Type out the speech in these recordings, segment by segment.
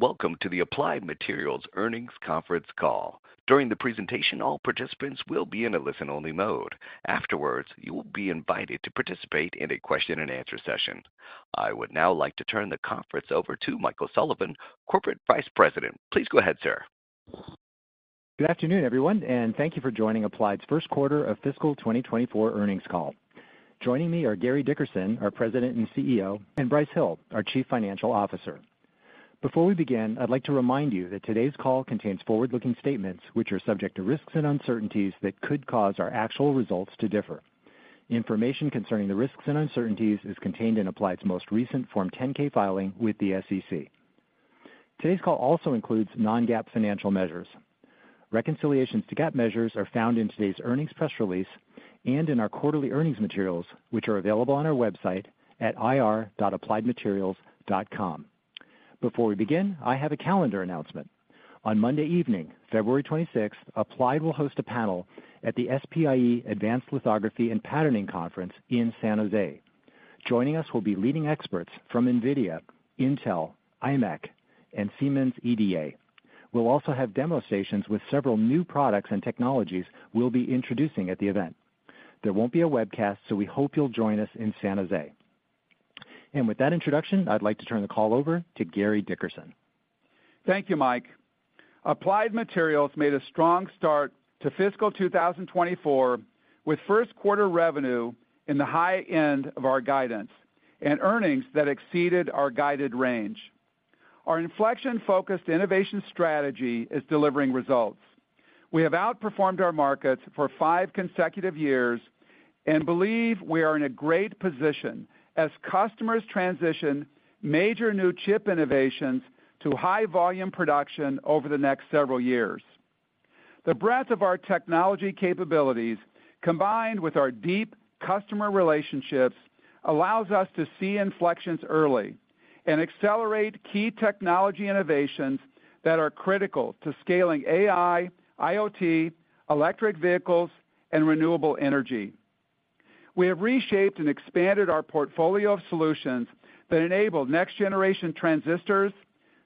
Welcome to the Applied Materials Earnings Conference call. During the presentation, all participants will be in a listen-only mode. Afterwards, you will be invited to participate in a question-and-answer session. I would now like to turn the conference over to Michael Sullivan, Corporate Vice President. Please go ahead, sir. Good afternoon, everyone, and thank you for joining Applied's first quarter of fiscal 2024 earnings call. Joining me are Gary Dickerson, our President and CEO, and Brice Hill, our Chief Financial Officer. Before we begin, I'd like to remind you that today's call contains forward-looking statements which are subject to risks and uncertainties that could cause our actual results to differ. Information concerning the risks and uncertainties is contained in Applied's most recent Form 10-K filing with the SEC. Today's call also includes non-GAAP financial measures. Reconciliations to GAAP measures are found in today's earnings press release and in our quarterly earnings materials, which are available on our website at ir.appliedmaterials.com. Before we begin, I have a calendar announcement. On Monday evening, February 26th, Applied will host a panel at the SPIE Advanced Lithography and Patterning Conference in San Jose. Joining us will be leading experts from NVIDIA, Intel, IMEC, and Siemens EDA. We'll also have demo stations with several new products and technologies we'll be introducing at the event. There won't be a webcast, so we hope you'll join us in San Jose. With that introduction, I'd like to turn the call over to Gary Dickerson. Thank you, Mike. Applied Materials made a strong start to fiscal 2024 with first-quarter revenue in the high end of our guidance and earnings that exceeded our guided range. Our inflection-focused innovation strategy is delivering results. We have outperformed our markets for five consecutive years and believe we are in a great position as customers transition major new chip innovations to high-volume production over the next several years. The breadth of our technology capabilities, combined with our deep customer relationships, allows us to see inflections early and accelerate key technology innovations that are critical to scaling AI, IoT, electric vehicles, and renewable energy. We have reshaped and expanded our portfolio of solutions that enable next-generation transistors,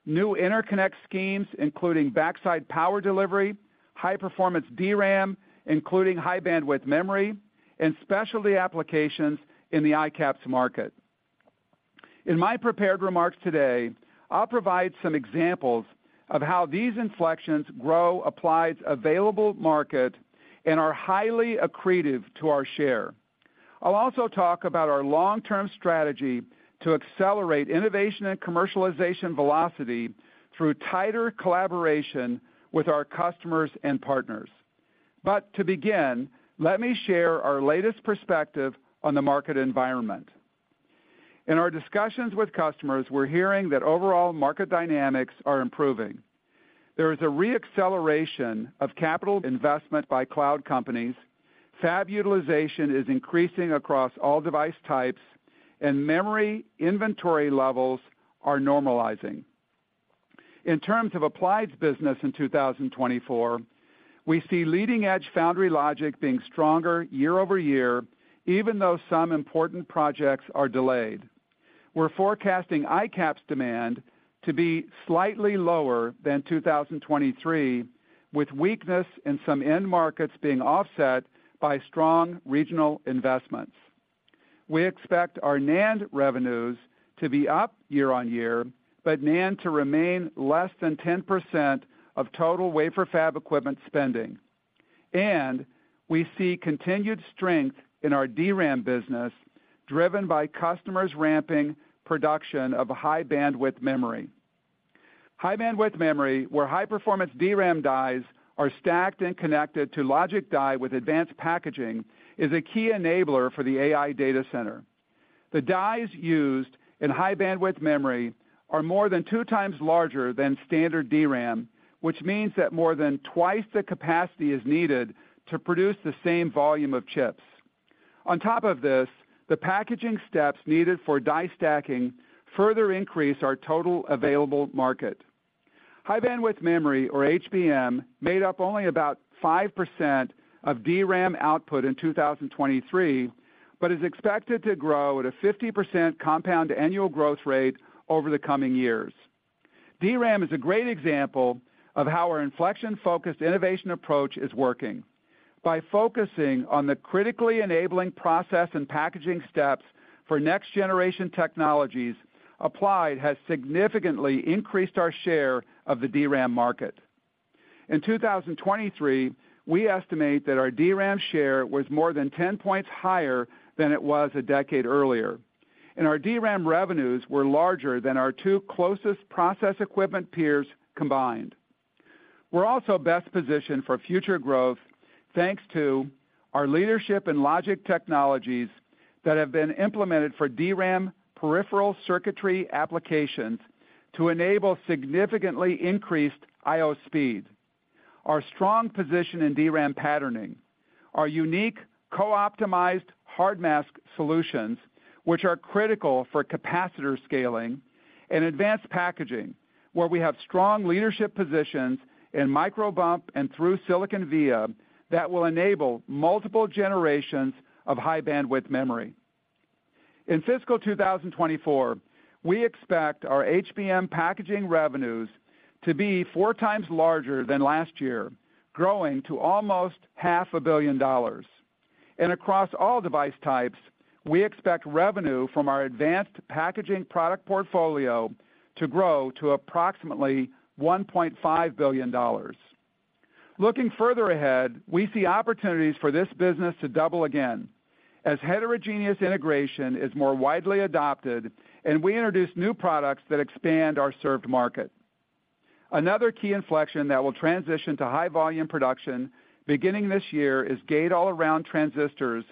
new interconnect schemes including Backside Power Delivery, high-performance DRAM including high-bandwidth memory, and specialty applications in the ICAPS market. In my prepared remarks today, I'll provide some examples of how these inflections grow Applied's available market and are highly accretive to our share. I'll also talk about our long-term strategy to accelerate innovation and commercialization velocity through tighter collaboration with our customers and partners. But to begin, let me share our latest perspective on the market environment. In our discussions with customers, we're hearing that overall market dynamics are improving. There is a re-acceleration of capital investment by cloud companies, fab utilization is increasing across all device types, and memory inventory levels are normalizing. In terms of Applied's business in 2024, we see leading-edge foundry logic being stronger year-over-year, even though some important projects are delayed. We're forecasting ICAPS demand to be slightly lower than 2023, with weakness in some end markets being offset by strong regional investments. We expect our NAND revenues to be up year-on-year, but NAND to remain less than 10% of total wafer fab equipment spending. We see continued strength in our DRAM business driven by customers ramping production of high-bandwidth memory. High-bandwidth memory, where high-performance DRAM dies are stacked and connected to logic die with advanced packaging, is a key enabler for the AI data center. The dies used in high-bandwidth memory are more than two times larger than standard DRAM, which means that more than twice the capacity is needed to produce the same volume of chips. On top of this, the packaging steps needed for die stacking further increase our total available market. High-bandwidth memory, or HBM, made up only about 5% of DRAM output in 2023 but is expected to grow at a 50% compound annual growth rate over the coming years. DRAM is a great example of how our inflection-focused innovation approach is working. By focusing on the critically enabling process and packaging steps for next-generation technologies, Applied has significantly increased our share of the DRAM market. In 2023, we estimate that our DRAM share was more than 10 points higher than it was a decade earlier, and our DRAM revenues were larger than our two closest process equipment peers combined. We're also best positioned for future growth thanks to our leadership in logic technologies that have been implemented for DRAM peripheral circuitry applications to enable significantly increased I/O speed, our strong position in DRAM patterning, our unique co-optimized hard mask solutions which are critical for capacitor scaling, and advanced packaging where we have strong leadership positions in micro-bumps and through-silicon via that will enable multiple generations of high-bandwidth memory. In fiscal 2024, we expect our HBM packaging revenues to be four times larger than last year, growing to almost $500 million. Across all device types, we expect revenue from our advanced packaging product portfolio to grow to approximately $1.5 billion. Looking further ahead, we see opportunities for this business to double again as heterogeneous integration is more widely adopted and we introduce new products that expand our served market. Another key inflection that will transition to high-volume production beginning this year is gate-all-around transistors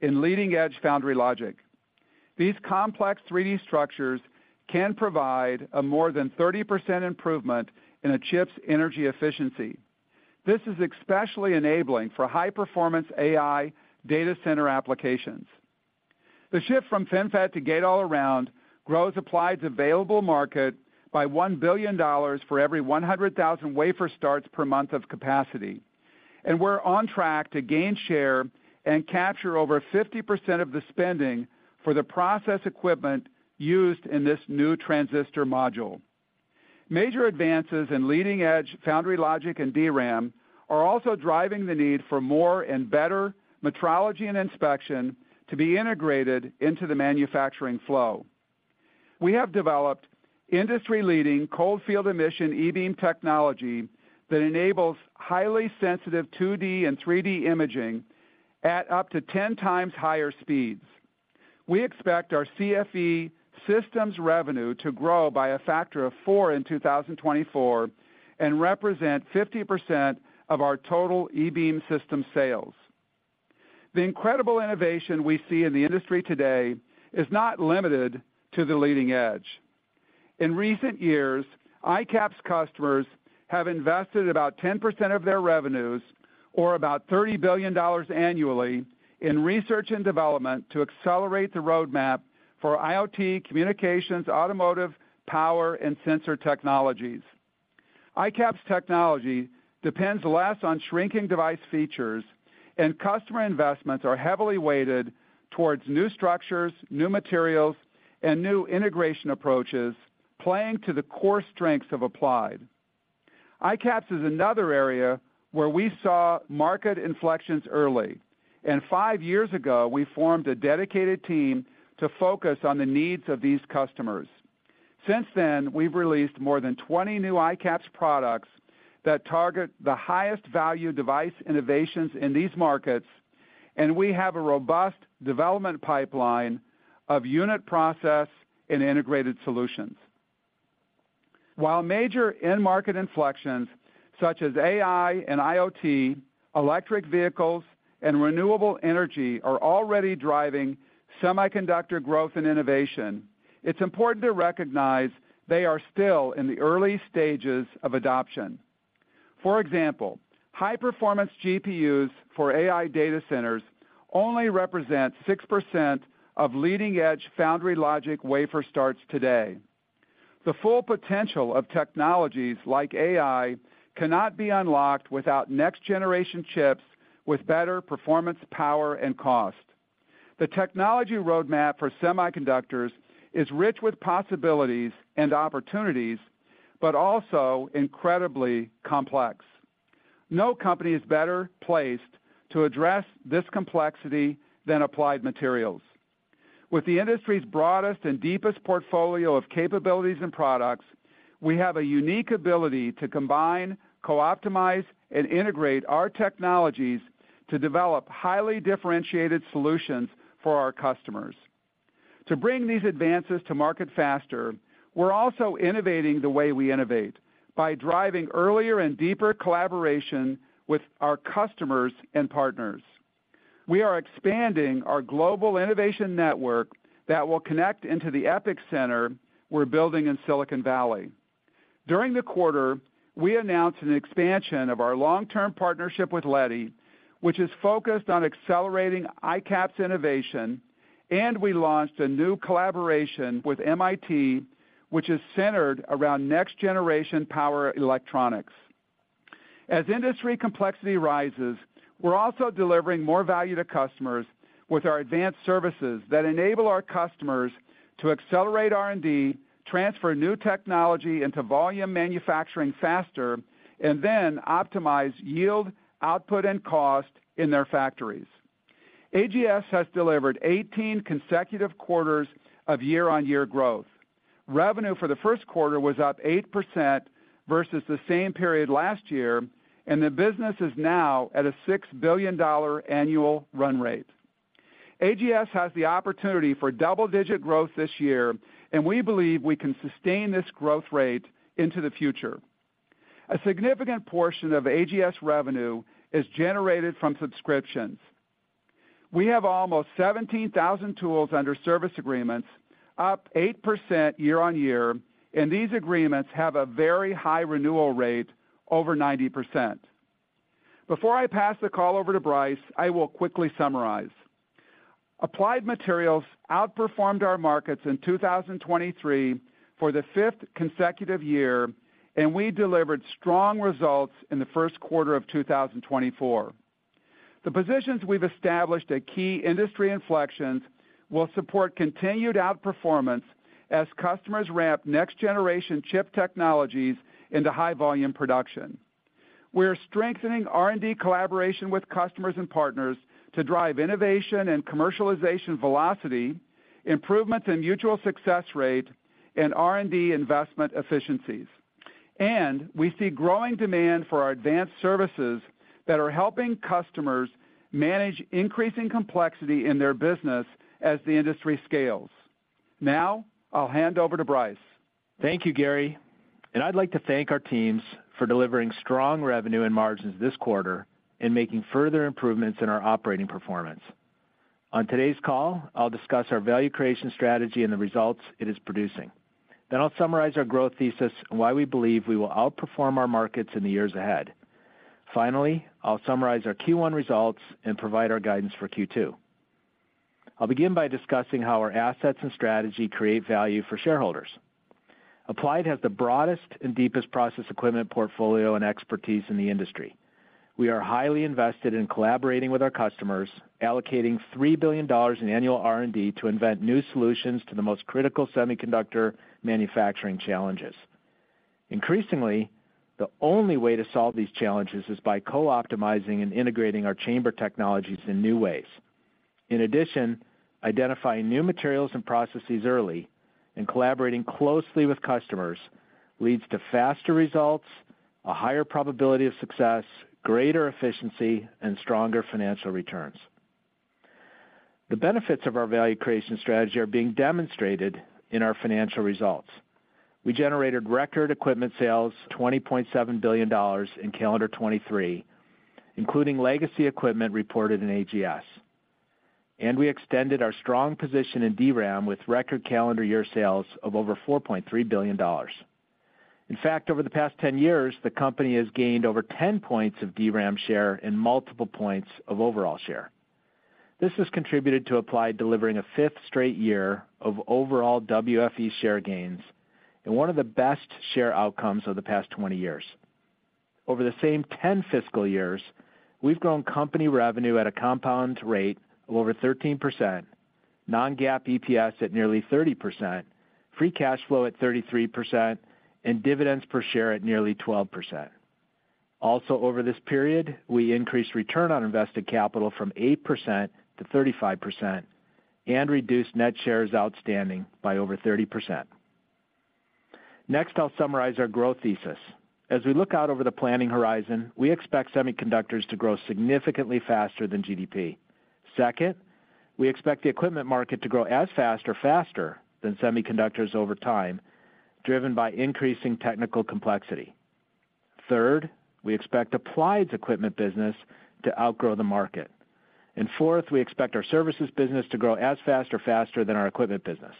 in leading-edge foundry logic. These complex 3D structures can provide a more than 30% improvement in a chip's energy efficiency. This is especially enabling for high-performance AI data center applications. The shift from FinFET to Gate-All-Around grows Applied's available market by $1 billion for every 100,000 wafer starts per month of capacity, and we're on track to gain share and capture over 50% of the spending for the process equipment used in this new transistor module. Major advances in leading-edge foundry logic and DRAM are also driving the need for more and better metrology and inspection to be integrated into the manufacturing flow. We have developed industry-leading Cold-Field Emission e-beam technology that enables highly sensitive 2D and 3D imaging at up to 10 times higher speeds. We expect our CFE systems revenue to grow by a factor of four in 2024 and represent 50% of our total e-beam system sales. The incredible innovation we see in the industry today is not limited to the leading edge. In recent years, ICAPS customers have invested about 10% of their revenues, or about $30 billion annually, in research and development to accelerate the roadmap for IoT, communications, automotive, power, and sensor technologies. ICAPS technology depends less on shrinking device features, and customer investments are heavily weighted towards new structures, new materials, and new integration approaches playing to the core strengths of Applied. ICAPS is another area where we saw market inflections early, and five years ago we formed a dedicated team to focus on the needs of these customers. Since then, we've released more than 20 new ICAPS products that target the highest value device innovations in these markets, and we have a robust development pipeline of unit process and integrated solutions. While major end-market inflections such as AI and IoT, electric vehicles, and renewable energy are already driving semiconductor growth and innovation, it's important to recognize they are still in the early stages of adoption. For example, high-performance GPUs for AI data centers only represent 6% of leading-edge foundry logic wafer starts today. The full potential of technologies like AI cannot be unlocked without next-generation chips with better performance, power, and cost. The technology roadmap for semiconductors is rich with possibilities and opportunities but also incredibly complex. No company is better placed to address this complexity than Applied Materials. With the industry's broadest and deepest portfolio of capabilities and products, we have a unique ability to combine, co-optimize, and integrate our technologies to develop highly differentiated solutions for our customers. To bring these advances to market faster, we're also innovating the way we innovate by driving earlier and deeper collaboration with our customers and partners. We are expanding our global innovation network that will connect into the EPIC Center we're building in Silicon Valley. During the quarter, we announced an expansion of our long-term partnership with Leti, which is focused on accelerating ICAPS innovation, and we launched a new collaboration with MIT, which is centered around next-generation power electronics. As industry complexity rises, we're also delivering more value to customers with our advanced services that enable our customers to accelerate R&D, transfer new technology into volume manufacturing faster, and then optimize yield, output, and cost in their factories. AGS has delivered 18 consecutive quarters of year-over-year growth. Revenue for the first quarter was up 8% versus the same period last year, and the business is now at a $6 billion annual run rate. AGS has the opportunity for double-digit growth this year, and we believe we can sustain this growth rate into the future. A significant portion of AGS revenue is generated from subscriptions. We have almost 17,000 tools under service agreements, up 8% year-on-year, and these agreements have a very high renewal rate over 90%. Before I pass the call over to Brice, I will quickly summarize. Applied Materials outperformed our markets in 2023 for the fifth consecutive year, and we delivered strong results in the first quarter of 2024. The positions we've established at key industry inflections will support continued outperformance as customers ramp next-generation chip technologies into high-volume production. We are strengthening R&D collaboration with customers and partners to drive innovation and commercialization velocity, improvements in mutual success rate, and R&D investment efficiencies. We see growing demand for our advanced services that are helping customers manage increasing complexity in their business as the industry scales. Now I'll hand over to Brice. Thank you, Gary. I'd like to thank our teams for delivering strong revenue and margins this quarter and making further improvements in our operating performance. On today's call, I'll discuss our value creation strategy and the results it is producing. Then I'll summarize our growth thesis and why we believe we will outperform our markets in the years ahead. Finally, I'll summarize our Q1 results and provide our guidance for Q2. I'll begin by discussing how our assets and strategy create value for shareholders. Applied has the broadest and deepest process equipment portfolio and expertise in the industry. We are highly invested in collaborating with our customers, allocating $3 billion in annual R&D to invent new solutions to the most critical semiconductor manufacturing challenges. Increasingly, the only way to solve these challenges is by co-optimizing and integrating our chamber technologies in new ways. In addition, identifying new materials and processes early and collaborating closely with customers leads to faster results, a higher probability of success, greater efficiency, and stronger financial returns. The benefits of our value creation strategy are being demonstrated in our financial results. We generated record equipment sales $20.7 billion in calendar 2023, including legacy equipment reported in AGS. We extended our strong position in DRAM with record calendar year sales of over $4.3 billion. In fact, over the past 10 years, the company has gained over 10 points of DRAM share in multiple points of overall share. This has contributed to Applied delivering a fifth straight year of overall WFE share gains and one of the best share outcomes of the past 20 years. Over the same 10 fiscal years, we've grown company revenue at a compound rate of over 13%, non-GAAP EPS at nearly 30%, free cash flow at 33%, and dividends per share at nearly 12%. Also, over this period, we increased return on invested capital from 8% to 35% and reduced net shares outstanding by over 30%. Next, I'll summarize our growth thesis. As we look out over the planning horizon, we expect semiconductors to grow significantly faster than GDP. Second, we expect the equipment market to grow as fast or faster than semiconductors over time, driven by increasing technical complexity. Third, we expect Applied's equipment business to outgrow the market. And fourth, we expect our services business to grow as fast or faster than our equipment business.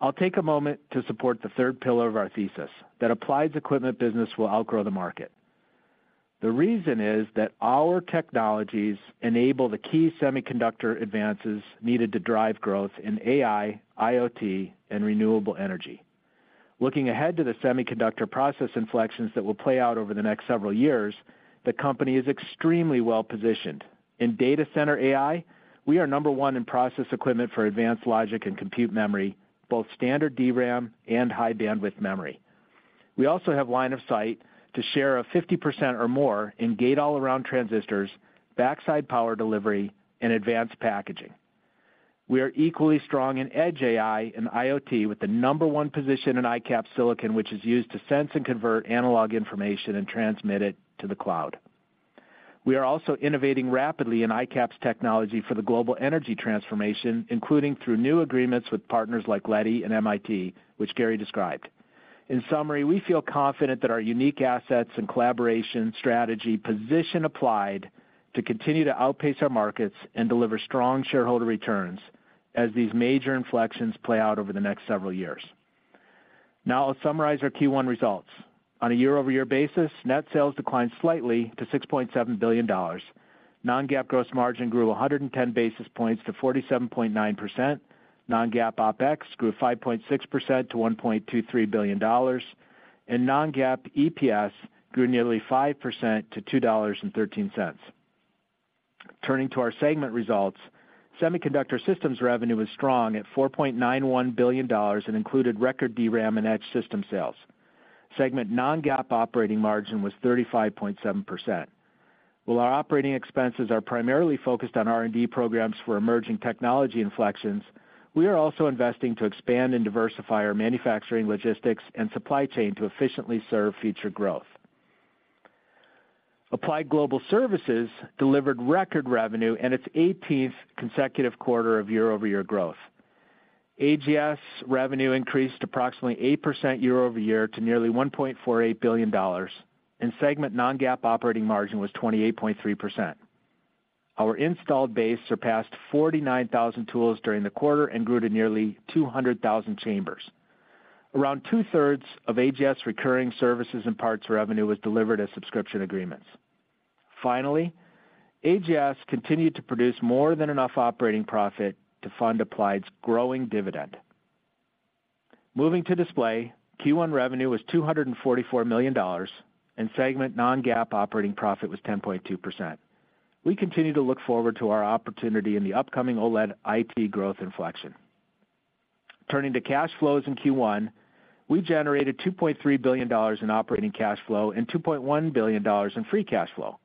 I'll take a moment to support the third pillar of our thesis, that Applied's equipment business will outgrow the market. The reason is that our technologies enable the key semiconductor advances needed to drive growth in AI, IoT, and renewable energy. Looking ahead to the semiconductor process inflections that will play out over the next several years, the company is extremely well positioned. In data center AI, we are number one in process equipment for advanced logic and compute memory, both standard DRAM and high-bandwidth memory. We also have line of sight to share 50% or more in Gate-All-Around transistors, Backside Power Delivery, and advanced packaging. We are equally strong in edge AI and IoT with the number one position in ICAPS silicon, which is used to sense and convert analog information and transmit it to the cloud. We are also innovating rapidly in ICAPS technology for the global energy transformation, including through new agreements with partners like Leti and MIT, which Gary described. In summary, we feel confident that our unique assets and collaboration strategy position Applied to continue to outpace our markets and deliver strong shareholder returns as these major inflections play out over the next several years. Now I'll summarize our Q1 results. On a year-over-year basis, net sales declined slightly to $6.7 billion. Non-GAAP gross margin grew 110 basis points to 47.9%. Non-GAAP OpEx grew 5.6% to $1.23 billion. Non-GAAP EPS grew nearly 5% to $2.13. Turning to our segment results, semiconductor systems revenue was strong at $4.91 billion and included record DRAM and edge system sales. Segment non-GAAP operating margin was 35.7%. While our operating expenses are primarily focused on R&D programs for emerging technology inflections, we are also investing to expand and diversify our manufacturing, logistics, and supply chain to efficiently serve future growth. Applied Global Services delivered record revenue in its 18th consecutive quarter of year-over-year growth. AGS revenue increased approximately 8% year-over-year to nearly $1.48 billion, and segment non-GAAP operating margin was 28.3%. Our installed base surpassed 49,000 tools during the quarter and grew to nearly 200,000 chambers. Around 2/3 of AGS recurring services and parts revenue was delivered as subscription agreements. Finally, AGS continued to produce more than enough operating profit to fund Applied's growing dividend. Moving to display, Q1 revenue was $244 million, and segment non-GAAP operating profit was 10.2%. We continue to look forward to our opportunity in the upcoming OLED IT growth inflection. Turning to cash flows in Q1, we generated $2.3 billion in operating cash flow and $2.1 billion in free cash flow.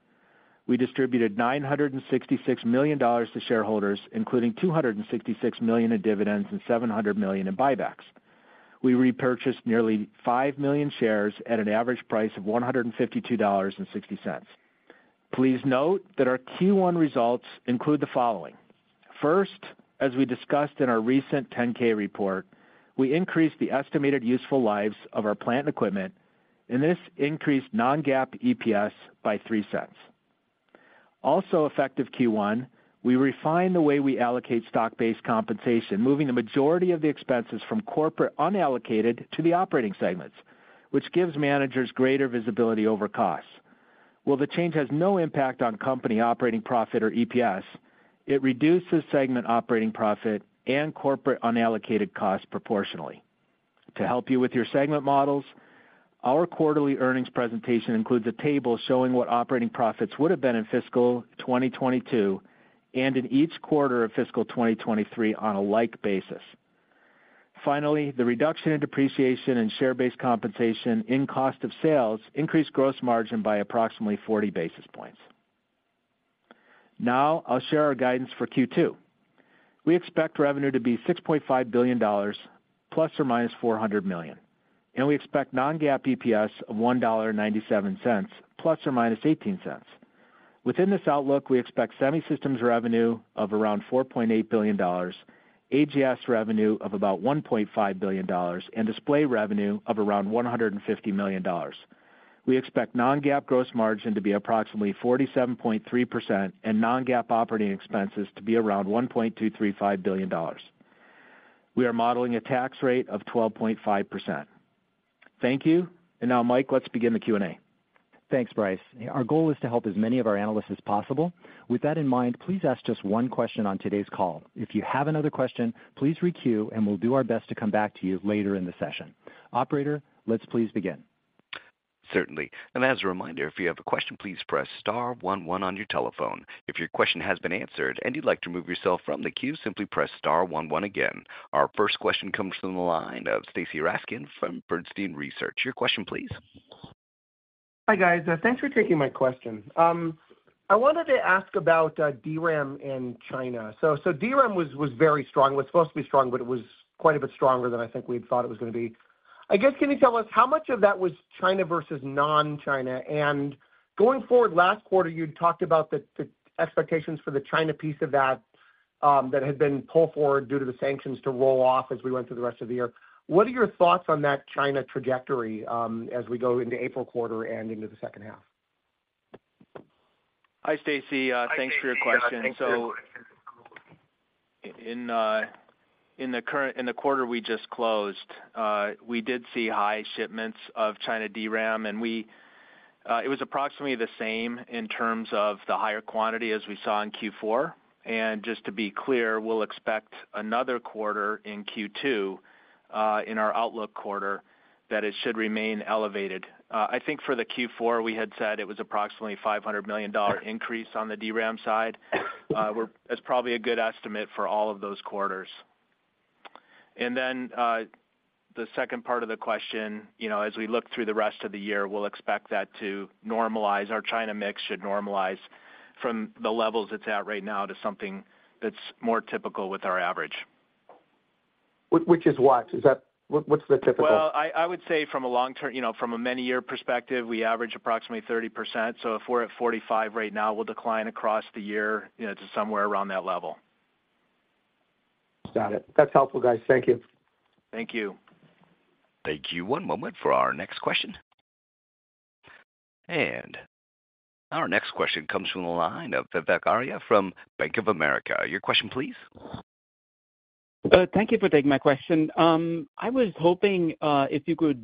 We distributed $966 million to shareholders, including $266 million in dividends and $700 million in buybacks. We repurchased nearly 5 million shares at an average price of $152.60. Please note that our Q1 results include the following. First, as we discussed in our recent 10-K report, we increased the estimated useful lives of our plant equipment, and this increased non-GAAP EPS by $0.03. Also effective Q1, we refined the way we allocate stock-based compensation, moving the majority of the expenses from corporate unallocated to the operating segments, which gives managers greater visibility over costs. While the change has no impact on company operating profit or EPS, it reduces segment operating profit and corporate unallocated costs proportionally. To help you with your segment models, our quarterly earnings presentation includes a table showing what operating profits would have been in fiscal 2022 and in each quarter of fiscal 2023 on a like basis. Finally, the reduction in depreciation and share-based compensation in cost of sales increased gross margin by approximately 40 basis points. Now I'll share our guidance for Q2. We expect revenue to be $6.5 billion ± $400 million. We expect non-GAAP EPS of $1.97 ± $0.18. Within this outlook, we expect semi-systems revenue of around $4.8 billion, AGS revenue of about $1.5 billion, and display revenue of around $150 million. We expect non-GAAP gross margin to be approximately 47.3% and non-GAAP operating expenses to be around $1.235 billion. We are modeling a tax rate of 12.5%. Thank you. Now, Mike, let's begin the Q&A. Thanks, Brice. Our goal is to help as many of our analysts as possible. With that in mind, please ask just one question on today's call. If you have another question, please re-queue, and we'll do our best to come back to you later in the session. Operator, let's please begin. Certainly. As a reminder, if you have a question, please press star 1 1 on your telephone. If your question has been answered and you'd like to move yourself from the queue, simply press star 1 1 again. Our first question comes from the line of Stacy Rasgon from Bernstein Research. Your question, please. Hi, guys. Thanks for taking my question. I wanted to ask about DRAM in China. So DRAM was very strong. It was supposed to be strong, but it was quite a bit stronger than I think we had thought it was going to be. I guess, can you tell us how much of that was China versus non-China? And going forward, last quarter, you'd talked about the expectations for the China piece of that that had been pulled forward due to the sanctions to roll off as we went through the rest of the year. What are your thoughts on that China trajectory as we go into April quarter and into the second half? Hi, Stacy. Thanks for your question. So in the quarter we just closed, we did see high shipments of China DRAM, and it was approximately the same in terms of the higher quantity as we saw in Q4. And just to be clear, we'll expect another quarter in Q2, in our outlook quarter, that it should remain elevated. I think for the Q4, we had said it was approximately a $500 million increase on the DRAM side. That's probably a good estimate for all of those quarters. And then the second part of the question, as we look through the rest of the year, we'll expect that to normalize. Our China mix should normalize from the levels it's at right now to something that's more typical with our average. Which is what? What's the typical? Well, I would say from a long-term, many-year perspective, we average approximately 30%. So if we're at 45% right now, we'll decline across the year to somewhere around that level. Got it. That's helpful, guys. Thank you. Thank you. Thank you. One moment for our next question. Our next question comes from the line of Vivek Arya from Bank of America. Your question, please. Thank you for taking my question. I was hoping if you could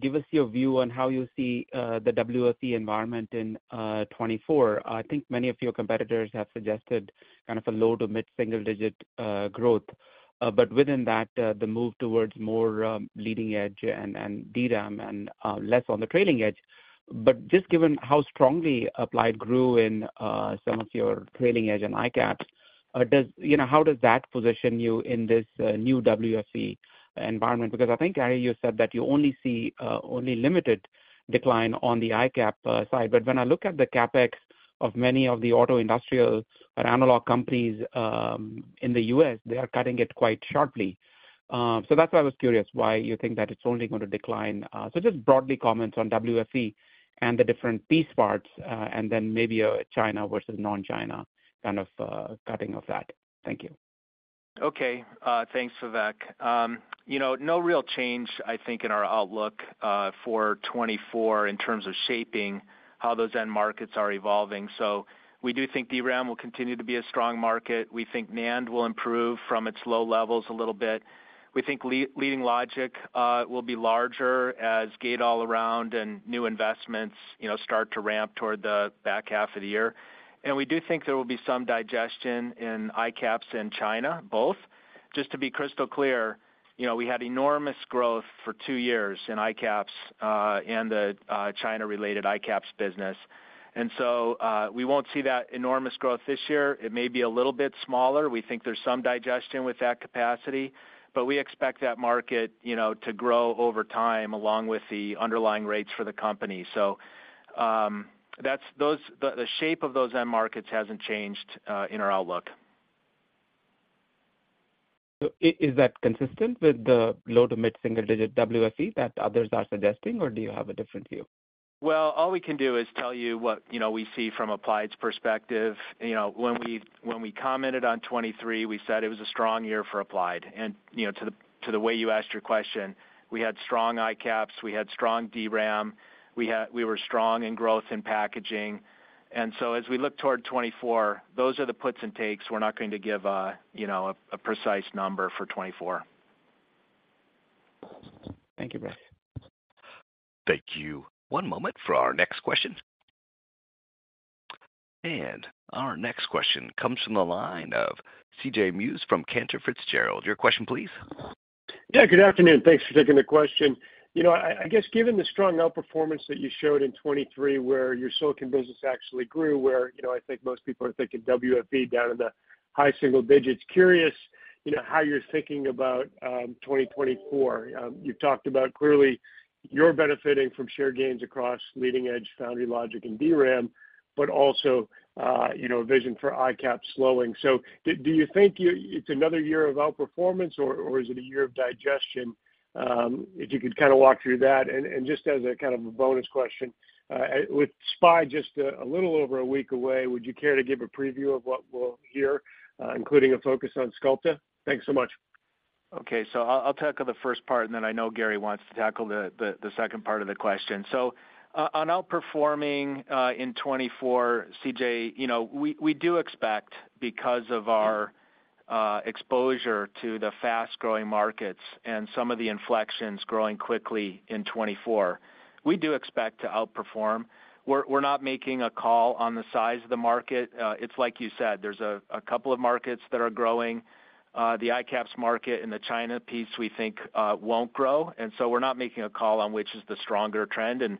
give us your view on how you see the WFE environment in 2024. I think many of your competitors have suggested kind of a low to mid-single-digit growth. But within that, the move towards more leading edge and DRAM and less on the trailing edge. But just given how strongly Applied grew in some of your trailing edge and ICAPs, how does that position you in this new WFE environment? Because I think, Gary, you said that you only see only limited decline on the ICAP side. But when I look at the CapEx of many of the auto industrial or analog companies in the U.S., they are cutting it quite sharply. So that's why I was curious why you think that it's only going to decline. So just broadly comments on WFE and the different piece parts, and then maybe a China versus non-China kind of cutting of that. Thank you. Okay. Thanks, Vivek. No real change, I think, in our outlook for 2024 in terms of shaping how those end markets are evolving. So we do think DRAM will continue to be a strong market. We think NAND will improve from its low levels a little bit. We think leading logic will be larger as gate-all-around and new investments start to ramp toward the back half of the year. And we do think there will be some digestion in ICAPs in China, both. Just to be crystal clear, we had enormous growth for two years in ICAPs and the China-related ICAPs business. And so we won't see that enormous growth this year. It may be a little bit smaller. We think there's some digestion with that capacity. But we expect that market to grow over time along with the underlying rates for the company. The shape of those end markets hasn't changed in our outlook. Is that consistent with the low to mid-single-digit WFE that others are suggesting, or do you have a different view? Well, all we can do is tell you what we see from Applied's perspective. When we commented on 2023, we said it was a strong year for Applied. And to the way you asked your question, we had strong ICAPS. We had strong DRAM. We were strong in growth and packaging. And so as we look toward 2024, those are the puts and takes. We're not going to give a precise number for 2024. Thank you, Brice. Thank you. One moment for our next question. Our next question comes from the line of C.J. Muse from Cantor Fitzgerald. Your question, please. Yeah. Good afternoon. Thanks for taking the question. I guess given the strong outperformance that you showed in 2023, where your silicon business actually grew, where I think most people are thinking WFE down in the high single digits, curious how you're thinking about 2024. You've talked about, clearly, you're benefiting from share gains across leading edge, foundry logic, and DRAM, but also a vision for ICAPS slowing. So do you think it's another year of outperformance, or is it a year of digestion? If you could kind of walk through that. And just as a kind of a bonus question, with SPIE just a little over a week away, would you care to give a preview of what we'll hear, including a focus on Sculpta? Thanks so much. Okay. So I'll tackle the first part, and then I know Gary wants to tackle the second part of the question. So on outperforming in 2024, C.J., we do expect because of our exposure to the fast-growing markets and some of the inflections growing quickly in 2024, we do expect to outperform. We're not making a call on the size of the market. It's like you said, there's a couple of markets that are growing. The ICAPS market and the China piece, we think, won't grow. And so we're not making a call on which is the stronger trend. And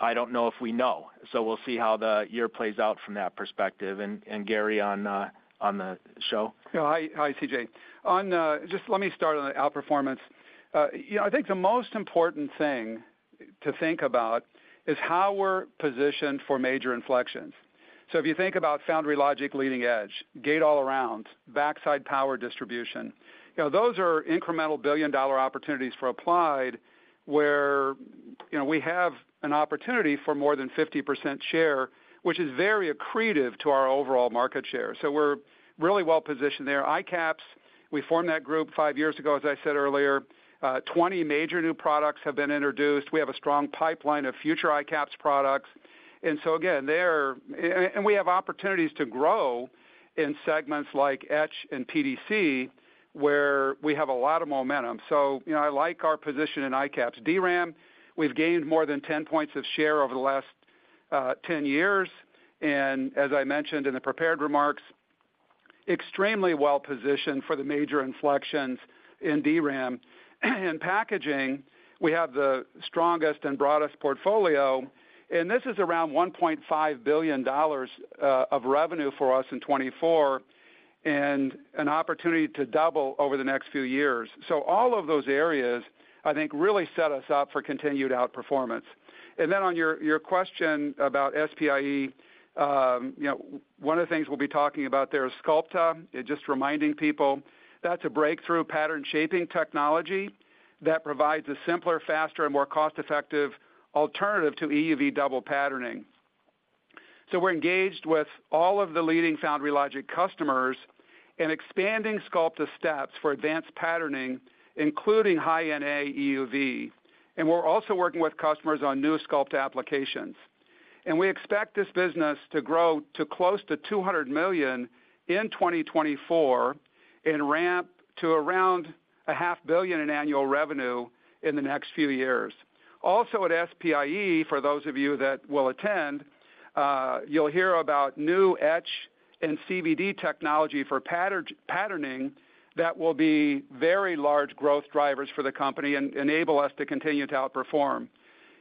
I don't know if we know. So we'll see how the year plays out from that perspective. And Gary, on the show. Yeah. Hi, CJ. Just let me start on the outperformance. I think the most important thing to think about is how we're positioned for major inflections. So if you think about foundry logic, leading edge, Gate-All-Around, backside power distribution, those are incremental billion-dollar opportunities for Applied where we have an opportunity for more than 50% share, which is very accretive to our overall market share. So we're really well-positioned there. ICAPS, we formed that group five years ago, as I said earlier. 20 major new products have been introduced. We have a strong pipeline of future ICAPS products. And so again, there and we have opportunities to grow in segments like etch and PDC where we have a lot of momentum. So I like our position in ICAPS. DRAM, we've gained more than 10 points of share over the last 10 years. As I mentioned in the prepared remarks, extremely well-positioned for the major inflections in DRAM. In packaging, we have the strongest and broadest portfolio. This is around $1.5 billion of revenue for us in 2024 and an opportunity to double over the next few years. All of those areas, I think, really set us up for continued outperformance. On your question about SPIE, one of the things we'll be talking about there is SCOLTA. Just reminding people, that's a breakthrough pattern-shaping technology that provides a simpler, faster, and more cost-effective alternative to EUV double patterning. We're engaged with all of the leading foundry logic customers and expanding SCOLTA steps for advanced patterning, including High-NA EUV. We're also working with customers on new SCOLTA applications. And we expect this business to grow to close to $200 million in 2024 and ramp to around $500 million in annual revenue in the next few years. Also at SPIE, for those of you that will attend, you'll hear about new etch and CVD technology for patterning that will be very large growth drivers for the company and enable us to continue to outperform.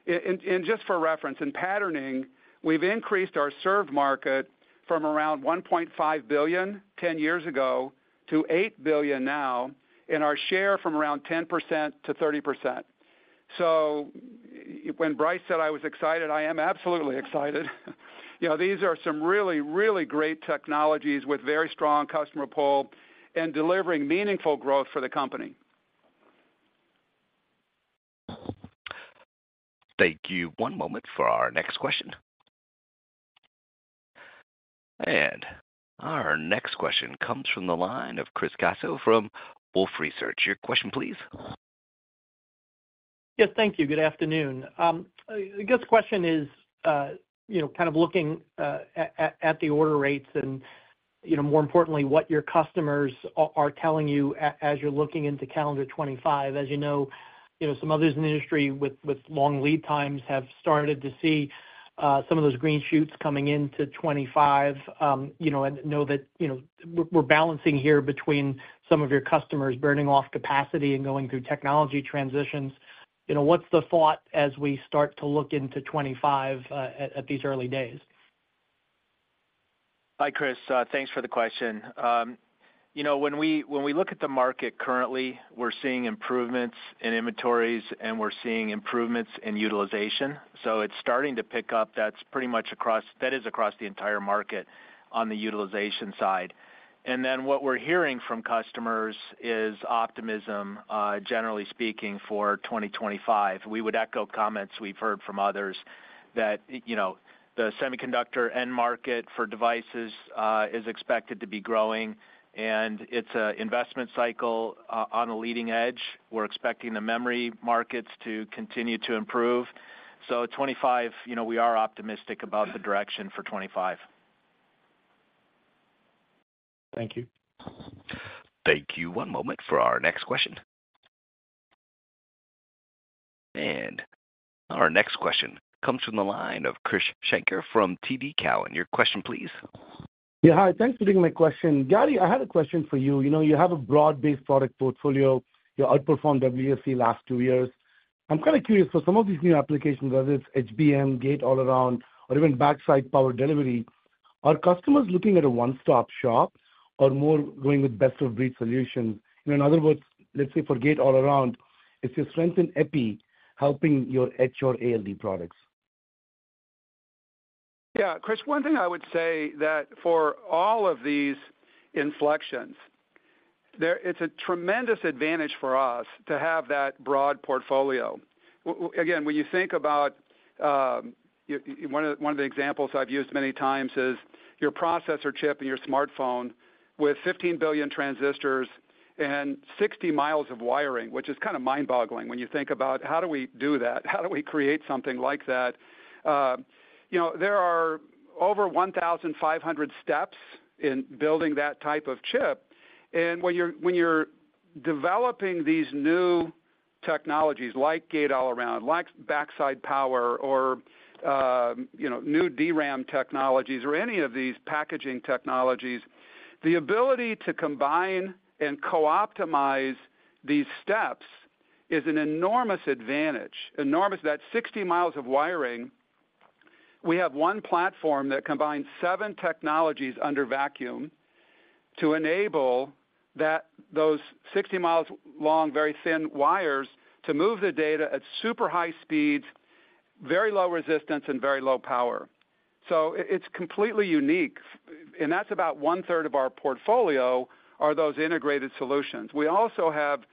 And just for reference, in patterning, we've increased our served market from around $1.5 billion 10 years ago to $8 billion now and our share from around 10%-30%. So when Brice said I was excited, I am absolutely excited. These are some really, really great technologies with very strong customer pull and delivering meaningful growth for the company. Thank you. One moment for our next question. Our next question comes from the line of Chris Caso from Wolfe Research. Your question, please. Yes. Thank you. Good afternoon. I guess question is kind of looking at the order rates and, more importantly, what your customers are telling you as you're looking into calendar 2025. As you know, some others in the industry with long lead times have started to see some of those green shoots coming into 2025 and know that we're balancing here between some of your customers burning off capacity and going through technology transitions. What's the thought as we start to look into 2025 at these early days? Hi, Chris. Thanks for the question. When we look at the market currently, we're seeing improvements in inventories, and we're seeing improvements in utilization. So it's starting to pick up. That's pretty much across the entire market on the utilization side. And then what we're hearing from customers is optimism, generally speaking, for 2025. We would echo comments we've heard from others that the semiconductor end market for devices is expected to be growing, and it's an investment cycle on the leading edge. We're expecting the memory markets to continue to improve. So 2025, we are optimistic about the direction for 2025. Thank you. Thank you. One moment for our next question. Our next question comes from the line of Krish Sankar from TD Cowen. Your question, please. Yeah. Hi. Thanks for taking my question. Gary, I had a question for you. You have a broad-based product portfolio. You outperformed WFE last two years. I'm kind of curious, for some of these new applications, whether it's HBM, Gate-All-Around, or even Backside Power Delivery, are customers looking at a one-stop shop or more going with best-of-breed solutions? In other words, let's say for Gate-All-Around, it's just strengthened EPI helping your etch or ALD products. Yeah. Krish, one thing I would say that for all of these inflections, it's a tremendous advantage for us to have that broad portfolio. Again, when you think about one of the examples I've used many times is your processor chip in your smartphone with 15 billion transistors and 60 miles of wiring, which is kind of mind-boggling when you think about how do we do that? How do we create something like that? There are over 1,500 steps in building that type of chip. When you're developing these new technologies like gate-all-around, like backside power, or new DRAM technologies, or any of these packaging technologies, the ability to combine and co-optimize these steps is an enormous advantage. That 60 miles of wiring, we have one platform that combines seven technologies under vacuum to enable those 60 miles-long, very thin wires to move the data at super high speeds, very low resistance, and very low power. It's completely unique. That's about one-third of our portfolio are those integrated solutions. We also have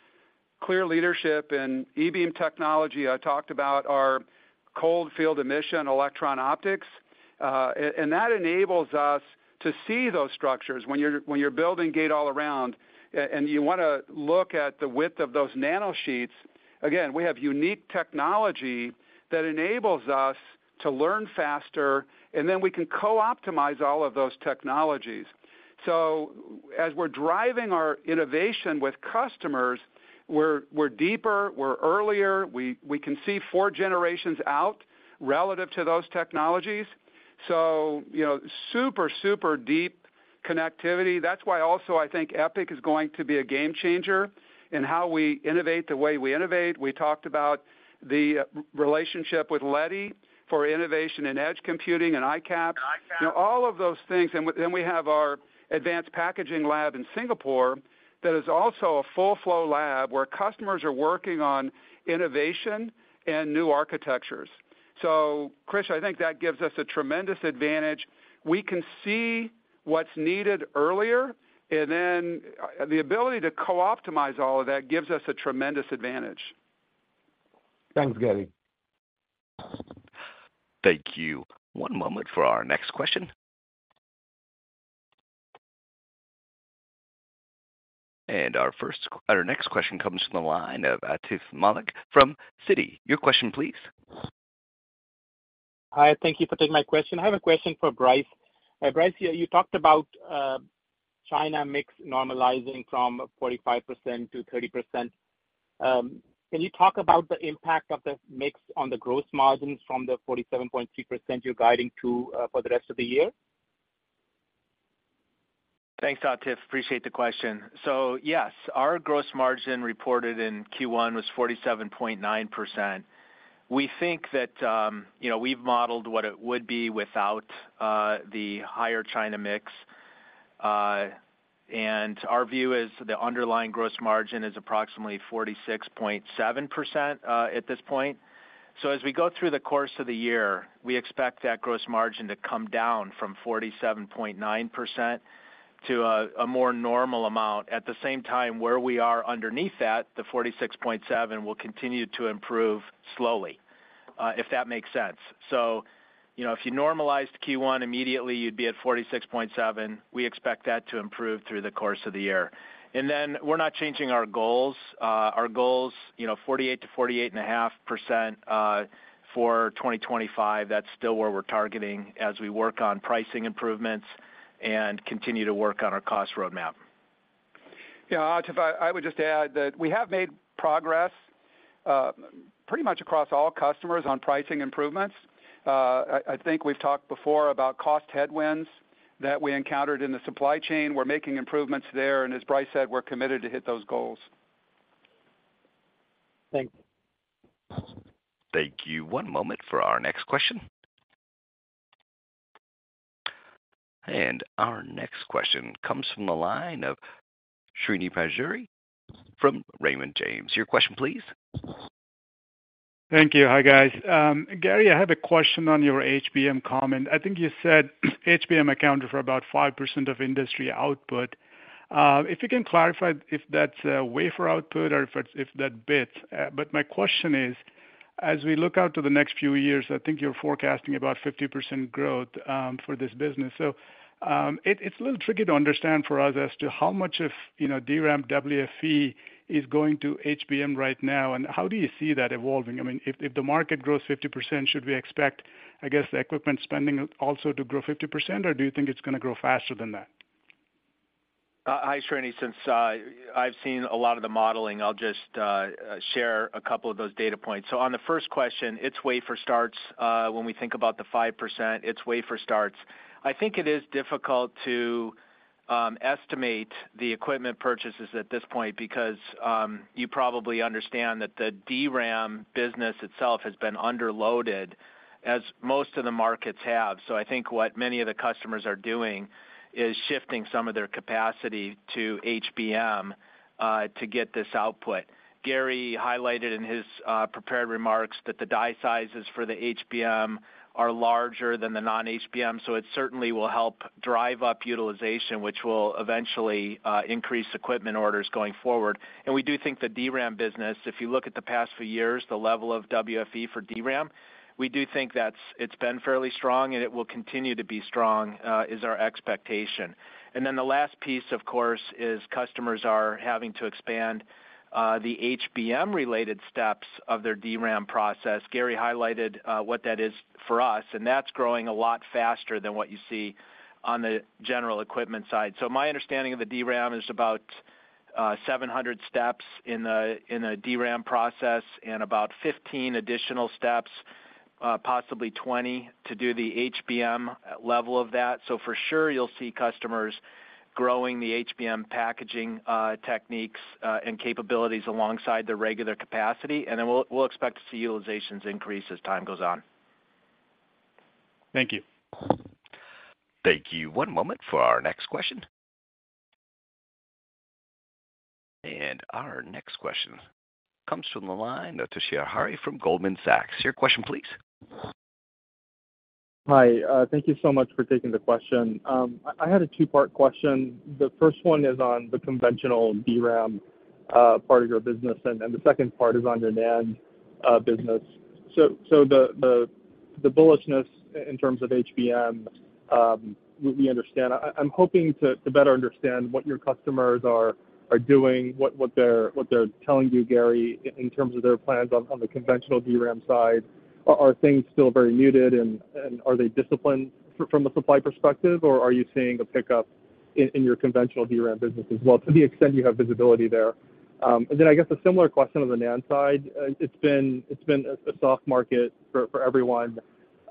clear leadership in e-beam technology. I talked about our cold-field emission electron optics. That enables us to see those structures when you're building gate-all-around. You want to look at the width of those nano sheets. Again, we have unique technology that enables us to learn faster, and then we can co-optimize all of those technologies. So as we're driving our innovation with customers, we're deeper, we're earlier. We can see four generations out relative to those technologies. So super, super deep connectivity. That's why also, I think, Epic is going to be a game-changer in how we innovate the way we innovate. We talked about the relationship with Leti for innovation in edge computing and ICAPS, all of those things. And then we have our advanced packaging lab in Singapore that is also a full-flow lab where customers are working on innovation and new architectures. So Krish, I think that gives us a tremendous advantage. We can see what's needed earlier. And then the ability to co-optimize all of that gives us a tremendous advantage. Thanks, Gary. Thank you. One moment for our next question. Our next question comes from the line of Atif Malik from Citi. Your question, please. Hi. Thank you for taking my question. I have a question for Brice. Brice, you talked about China mix normalizing from 45%-30%. Can you talk about the impact of the mix on the gross margins from the 47.3% you're guiding for the rest of the year? Thanks, Atif. Appreciate the question. So yes, our gross margin reported in Q1 was 47.9%. We think that we've modeled what it would be without the higher China mix. And our view is the underlying gross margin is approximately 46.7% at this point. So as we go through the course of the year, we expect that gross margin to come down from 47.9% to a more normal amount. At the same time, where we are underneath that, the 46.7 will continue to improve slowly, if that makes sense. So if you normalized Q1 immediately, you'd be at 46.7%. We expect that to improve through the course of the year. And then we're not changing our goals. Our goals, 48%-48.5% for 2025, that's still where we're targeting as we work on pricing improvements and continue to work on our cost roadmap. Yeah. Atif, I would just add that we have made progress pretty much across all customers on pricing improvements. I think we've talked before about cost headwinds that we encountered in the supply chain. We're making improvements there. As Brice said, we're committed to hit those goals. Thanks. Thank you. One moment for our next question. Our next question comes from the line of Srini Pajjuri from Raymond James. Your question, please. Thank you. Hi, guys. Gary, I have a question on your HBM comment. I think you said HBM accounted for about 5% of industry output. If you can clarify if that's wafer output or if that bits. But my question is, as we look out to the next few years, I think you're forecasting about 50% growth for this business. So it's a little tricky to understand for us as to how much of DRAM/WFE is going to HBM right now. And how do you see that evolving? I mean, if the market grows 50%, should we expect, I guess, the equipment spending also to grow 50%? Or do you think it's going to grow faster than that? Hi, Srini. Since I've seen a lot of the modeling, I'll just share a couple of those data points. So on the first question, it's wafer starts when we think about the 5%. It's wafer starts. I think it is difficult to estimate the equipment purchases at this point because you probably understand that the DRAM business itself has been underloaded, as most of the markets have. So I think what many of the customers are doing is shifting some of their capacity to HBM to get this output. Gary highlighted in his prepared remarks that the die sizes for the HBM are larger than the non-HBM. So it certainly will help drive up utilization, which will eventually increase equipment orders going forward. We do think the DRAM business, if you look at the past few years, the level of WFE for DRAM, we do think that it's been fairly strong, and it will continue to be strong, is our expectation. And then the last piece, of course, is customers are having to expand the HBM-related steps of their DRAM process. Gary highlighted what that is for us. And that's growing a lot faster than what you see on the general equipment side. So my understanding of the DRAM is about 700 steps in a DRAM process and about 15 additional steps, possibly 20, to do the HBM level of that. So for sure, you'll see customers growing the HBM packaging techniques and capabilities alongside their regular capacity. And then we'll expect to see utilizations increase as time goes on. Thank you. Thank you. One moment for our next question. Our next question comes from the line of Toshiya Hari from Goldman Sachs. Your question, please. Hi. Thank you so much for taking the question. I had a two-part question. The first one is on the conventional DRAM part of your business. The second part is on your NAND business. So the bullishness in terms of HBM, we understand. I'm hoping to better understand what your customers are doing, what they're telling you, Gary, in terms of their plans on the conventional DRAM side. Are things still very muted? Are they disciplined from a supply perspective? Or are you seeing a pickup in your conventional DRAM business as well, to the extent you have visibility there? Then I guess a similar question on the NAND side. It's been a soft market for everyone.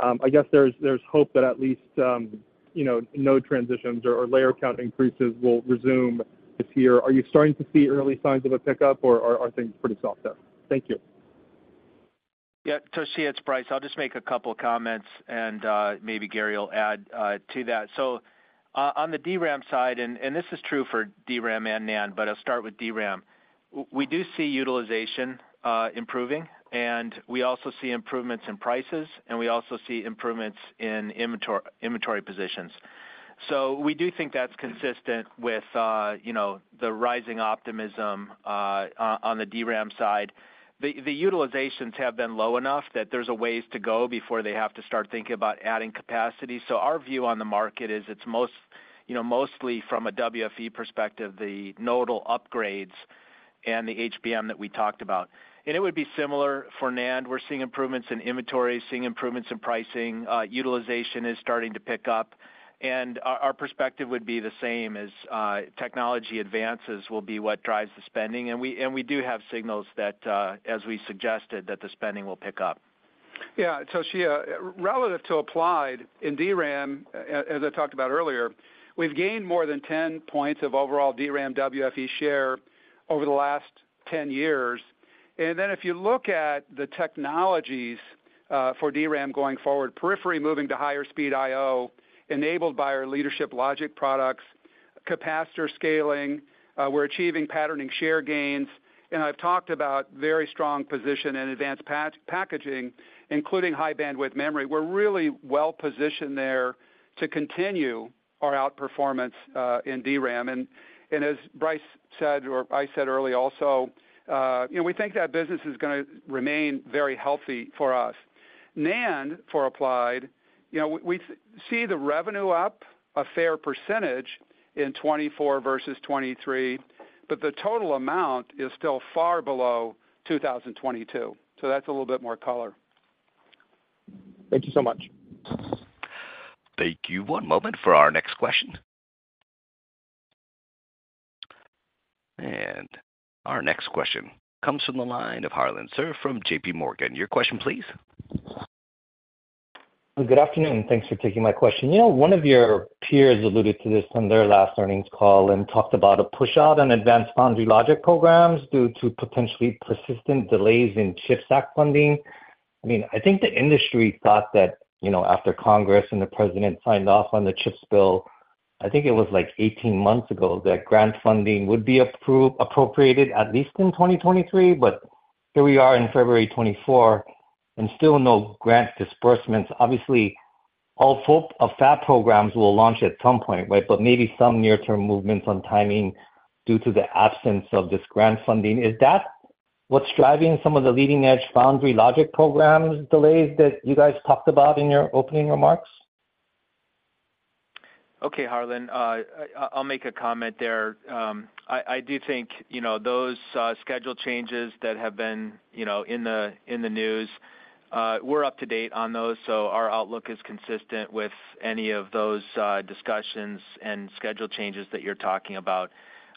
I guess there's hope that at least node transitions or layer count increases will resume this year. Are you starting to see early signs of a pickup? Or are things pretty soft there? Thank you. Yeah. Toshiya, it's Brice. I'll just make a couple of comments. Maybe Gary will add to that. On the DRAM side, and this is true for DRAM and NAND, but I'll start with DRAM, we do see utilization improving. We also see improvements in prices. We also see improvements in inventory positions. We do think that's consistent with the rising optimism on the DRAM side. The utilizations have been low enough that there's a ways to go before they have to start thinking about adding capacity. Our view on the market is it's mostly from a WFE perspective, the nodal upgrades and the HBM that we talked about. It would be similar for NAND. We're seeing improvements in inventory, seeing improvements in pricing. Utilization is starting to pick up. Our perspective would be the same. Technology advances will be what drives the spending. We do have signals that, as we suggested, that the spending will pick up. Yeah. Toshiya, relative to Applied in DRAM, as I talked about earlier, we've gained more than 10 points of overall DRAM/WFE share over the last 10 years. And then if you look at the technologies for DRAM going forward, periphery moving to higher-speed I/O enabled by our leadership logic products, capacitor scaling, we're achieving patterning share gains. And I've talked about very strong position in advanced packaging, including high-bandwidth memory. We're really well-positioned there to continue our outperformance in DRAM. And as Brice said or I said earlier also, we think that business is going to remain very healthy for us. NAND for Applied, we see the revenue up a fair percentage in 2024 versus 2023. But the total amount is still far below 2022. So that's a little bit more color. Thank you so much. Thank you. One moment for our next question. Our next question comes from the line of Harlan Sur from JP Morgan. Your question, please. Good afternoon. Thanks for taking my question. One of your peers alluded to this on their last earnings call and talked about a pushout on advanced foundry logic programs due to potentially persistent delays in CHIPS Act funding. I mean, I think the industry thought that after Congress and the president signed off on the CHIPS bill, I think it was like 18 months ago, that grant funding would be appropriated, at least in 2023. But here we are in February 2024 and still no grant disbursements. Obviously, all FAP programs will launch at some point, right? But maybe some near-term movements on timing due to the absence of this grant funding. Is that what's driving some of the leading-edge foundry logic programs delays that you guys talked about in your opening remarks? Okay, Harlan. I'll make a comment there. I do think those schedule changes that have been in the news; we're up to date on those. So our outlook is consistent with any of those discussions and schedule changes that you're talking about.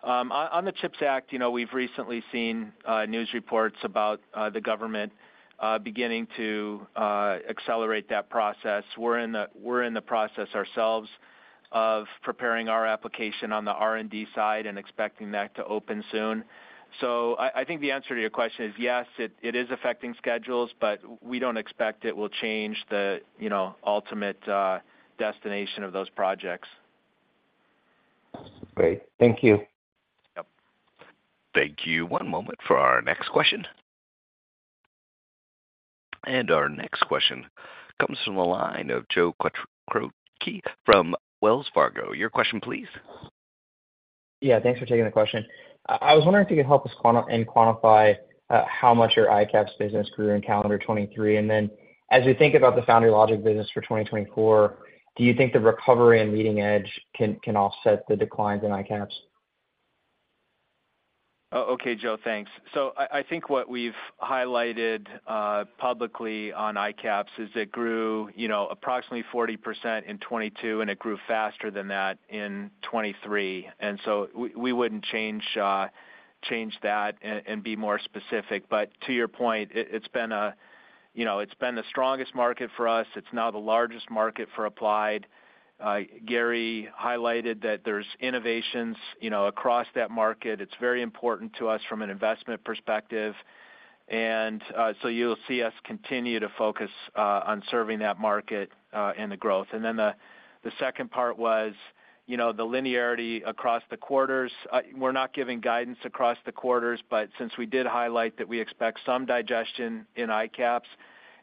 On the CHIPS Act, we've recently seen news reports about the government beginning to accelerate that process. We're in the process ourselves of preparing our application on the R&D side and expecting that to open soon. So I think the answer to your question is yes; it is affecting schedules. But we don't expect it will change the ultimate destination of those projects. Great. Thank you. Thank you. One moment for our next question. Our next question comes from the line of Joe Quatrochi from Wells Fargo. Your question, please. Yeah. Thanks for taking the question. I was wondering if you could help us quantify how much your ICAPS business grew in calendar 2023. Then as we think about the foundry logic business for 2024, do you think the recovery and leading edge can offset the declines in ICAPS? Okay, Joe. Thanks. So I think what we've highlighted publicly on ICAPS is it grew approximately 40% in 2022, and it grew faster than that in 2023. So we wouldn't change that and be more specific. But to your point, it's been the strongest market for us. It's now the largest market for Applied. Gary highlighted that there's innovations across that market. It's very important to us from an investment perspective. So you'll see us continue to focus on serving that market and the growth. Then the second part was the linearity across the quarters. We're not giving guidance across the quarters. But since we did highlight that we expect some digestion in ICAPS,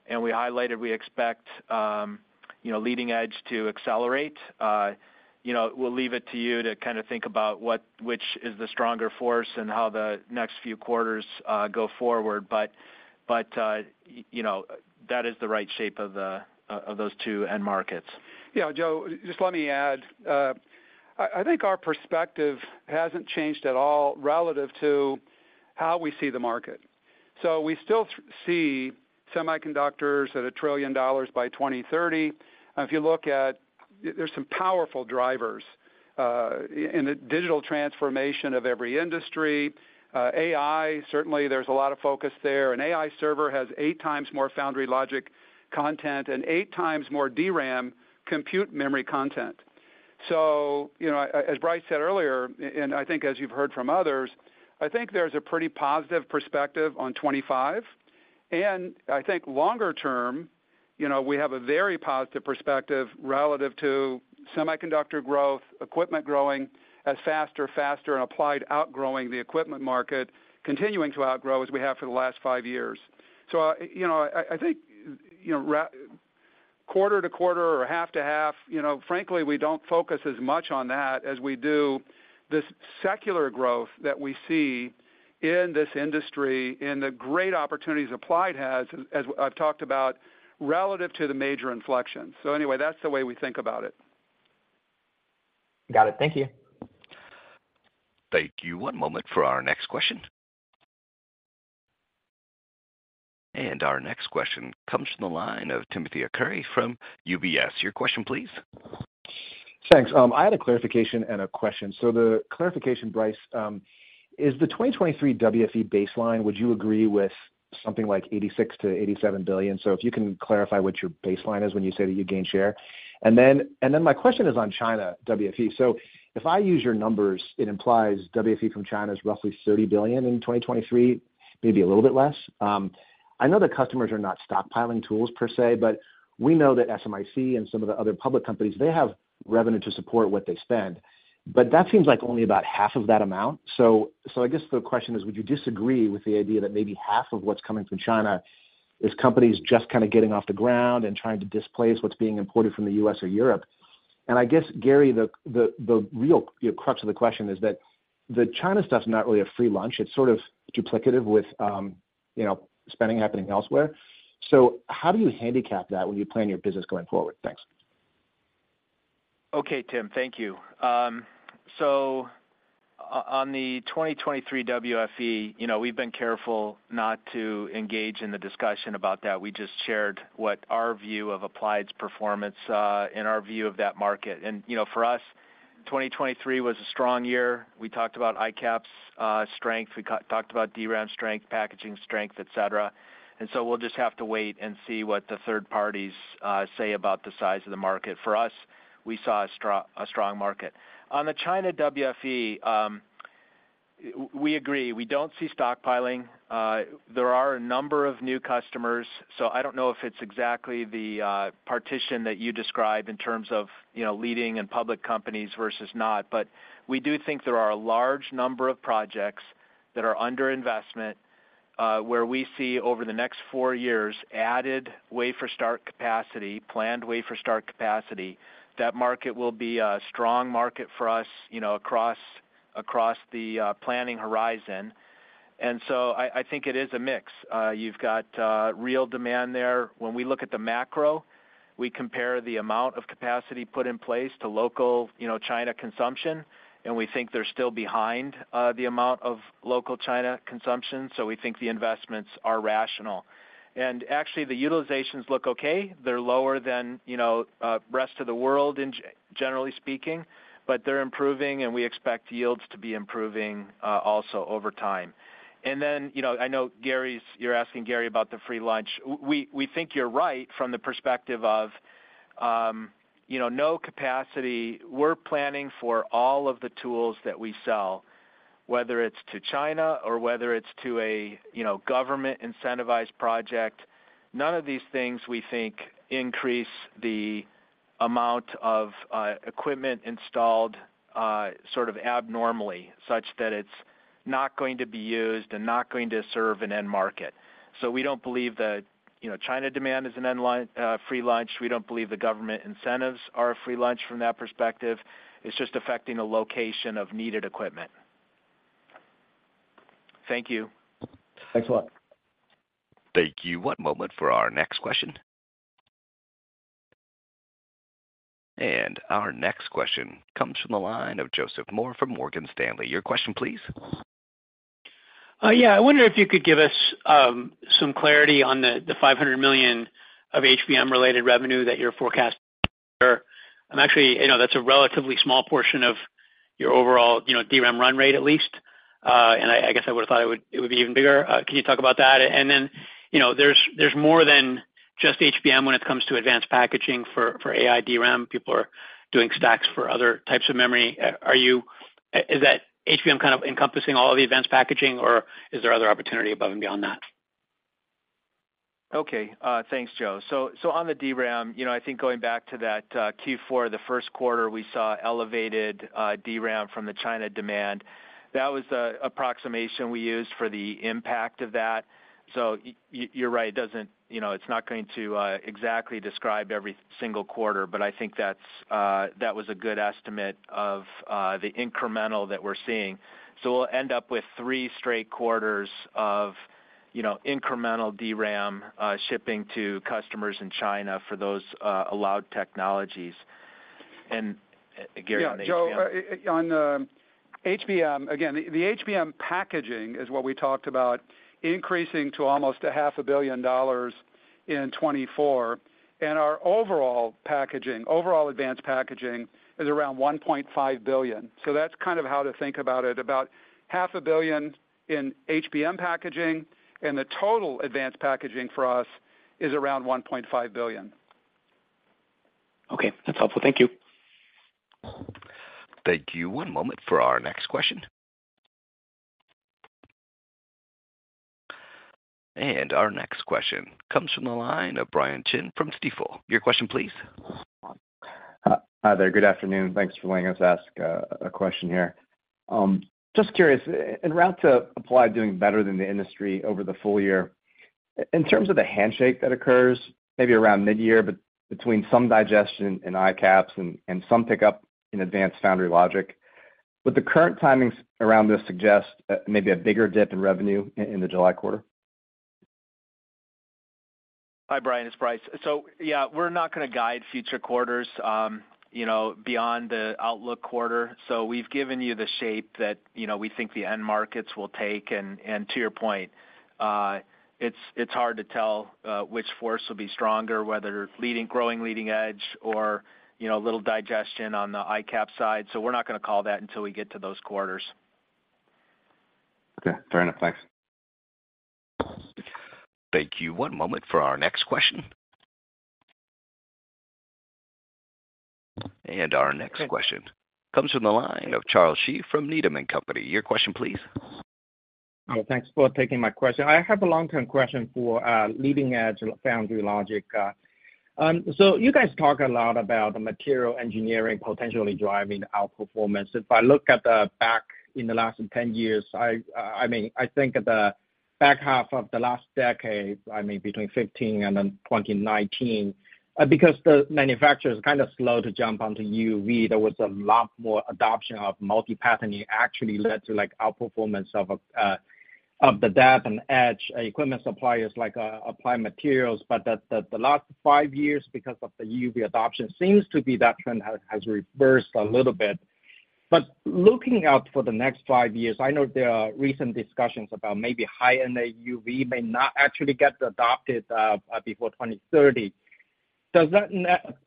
and we highlighted we expect leading edge to accelerate, we'll leave it to you to kind of think about which is the stronger force and how the next few quarters go forward. But that is the right shape of those two end markets. Yeah. Joe, just let me add. I think our perspective hasn't changed at all relative to how we see the market. So we still see semiconductors at $1 trillion by 2030. If you look at, there's some powerful drivers in the digital transformation of every industry. AI, certainly, there's a lot of focus there. An AI server has eight times more foundry logic content and eight times more DRAM compute memory content. So as Brice said earlier, and I think as you've heard from others, I think there's a pretty positive perspective on 2025. And I think longer term, we have a very positive perspective relative to semiconductor growth, equipment growing as faster, faster, and Applied outgrowing the equipment market, continuing to outgrow as we have for the last five years. So I think quarter to quarter or half to half, frankly, we don't focus as much on that as we do this secular growth that we see in this industry, in the great opportunities Applied has, as I've talked about, relative to the major inflections. So anyway, that's the way we think about it. Got it. Thank you. Thank you. One moment for our next question. Our next question comes from the line of Timothy Arcuri from UBS. Your question, please. Thanks. I had a clarification and a question. So the clarification, Brice, is the 2023 WFE baseline, would you agree with something like $86 billion-$87 billion? So if you can clarify what your baseline is when you say that you gain share. And then my question is on China WFE. So if I use your numbers, it implies WFE from China is roughly $30 billion in 2023, maybe a little bit less. I know that customers are not stockpiling tools per se. But we know that SMIC and some of the other public companies, they have revenue to support what they spend. But that seems like only about half of that amount. So I guess the question is, would you disagree with the idea that maybe half of what's coming from China is companies just kind of getting off the ground and trying to displace what's being imported from the U.S. or Europe? And I guess, Gary, the real crux of the question is that the China stuff's not really a free lunch. It's sort of duplicative with spending happening elsewhere. So how do you handicap that when you plan your business going forward? Thanks. Okay, Tim. Thank you. So on the 2023 WFE, we've been careful not to engage in the discussion about that. We just shared what our view of Applied's performance and our view of that market. And for us, 2023 was a strong year. We talked about ICAPS strength. We talked about DRAM strength, packaging strength, etc. And so we'll just have to wait and see what the third parties say about the size of the market. For us, we saw a strong market. On the China WFE, we agree. We don't see stockpiling. There are a number of new customers. So I don't know if it's exactly the partition that you describe in terms of leading and public companies versus not. But we do think there are a large number of projects that are under investment where we see, over the next four years, added wafer-start capacity, planned wafer-start capacity. That market will be a strong market for us across the planning horizon. So I think it is a mix. You've got real demand there. When we look at the macro, we compare the amount of capacity put in place to local China consumption. We think they're still behind the amount of local China consumption. So we think the investments are rational. Actually, the utilizations look okay. They're lower than the rest of the world, generally speaking. But they're improving. We expect yields to be improving also over time. Then I know you're asking Gary about the free lunch. We think you're right from the perspective of no capacity. We're planning for all of the tools that we sell, whether it's to China or whether it's to a government-incentivized project. None of these things, we think, increase the amount of equipment installed sort of abnormally, such that it's not going to be used and not going to serve an end market. So we don't believe that China demand is an end free lunch. We don't believe the government incentives are a free lunch from that perspective. It's just affecting the location of needed equipment. Thank you. Thanks a lot. Thank you. One moment for our next question. Our next question comes from the line of Joseph Moore from Morgan Stanley. Your question, please. Yeah. I wonder if you could give us some clarity on the $500 million of HBM-related revenue that you're forecasting. I'm actually, that's a relatively small portion of your overall DRAM run rate, at least. And I guess I would have thought it would be even bigger. Can you talk about that? And then there's more than just HBM when it comes to advanced packaging for AI DRAM. People are doing stacks for other types of memory. Is HBM kind of encompassing all of the advanced packaging? Or is there other opportunity above and beyond that? Okay. Thanks, Joe. So on the DRAM, I think going back to that Q4, the first quarter, we saw elevated DRAM from the China demand. That was the approximation we used for the impact of that. So you're right. It's not going to exactly describe every single quarter. But I think that was a good estimate of the incremental that we're seeing. So we'll end up with three straight quarters of incremental DRAM shipping to customers in China for those allowed technologies. And Gary and they share. Yeah. Joe, on the HBM, again, the HBM packaging is what we talked about increasing to almost $500 million in 2024. Our overall packaging, overall advanced packaging, is around $1.5 billion. So that's kind of how to think about it, about $500 million in HBM packaging. The total advanced packaging for us is around $1.5 billion. Okay. That's helpful. Thank you. Thank you. One moment for our next question. Our next question comes from the line of Brian Chin from Stifel. Your question, please. Hi there. Good afternoon. Thanks for letting us ask a question here. Just curious, en route to Applied doing better than the industry over the full year, in terms of the handshake that occurs maybe around midyear, but between some digestion in ICAPS and some pickup in advanced foundry logic, would the current timings around this suggest maybe a bigger dip in revenue in the July quarter? Hi, Brian. It's Brice. So yeah, we're not going to guide future quarters beyond the outlook quarter. So we've given you the shape that we think the end markets will take. And to your point, it's hard to tell which force will be stronger, whether growing leading edge or a little digestion on the ICAPS side. So we're not going to call that until we get to those quarters. Okay. Fair enough. Thanks. Thank you. One moment for our next question. Our next question comes from the line of Charles Shi from Needham & Company. Your question, please. Thanks for taking my question. I have a long-term question for leading edge foundry logic. So you guys talk a lot about the material engineering potentially driving outperformance. If I look at the back in the last 10 years, I mean, I think at the back half of the last decade, I mean, between 2015 and then 2019, because the manufacturers kind of slow to jump onto EUV, there was a lot more adoption of multi-patterning actually led to outperformance of the Dep and Etch. Equipment suppliers Applied Materials. But the last five years, because of the EUV adoption, seems to be that trend has reversed a little bit. But looking out for the next five years, I know there are recent discussions about maybe High-NA EUV may not actually get adopted before 2030. Does